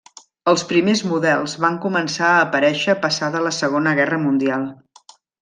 Els primers models van començar a aparèixer passada la Segona Guerra Mundial.